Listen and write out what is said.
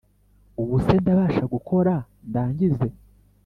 ubuse ndabasha gukora ndangize